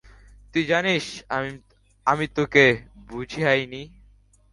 তুই জানিস, আমি তোকে বুঝাইনি।